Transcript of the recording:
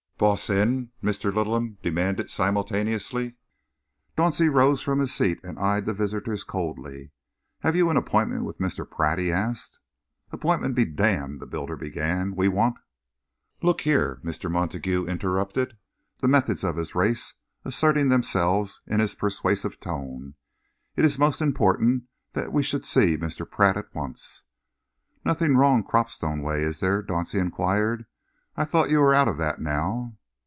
"Boss in?" Mr. Littleham demanded simultaneously. Dauncey rose from his seat and eyed the visitors coldly. "Have you an appointment with Mr. Pratt?" he asked. "Appointment be damned!" the builder began. "We want " "Look here," Mr. Montague interrupted, the methods of his race asserting themselves in his persuasive tone, "it is most important that we should see Mr. Pratt at once." "Nothing wrong Cropstone way, is there?" Dauncey enquired. "I thought you were out of that now."